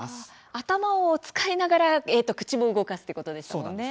頭を使いながら口を動かすということでしたもんね。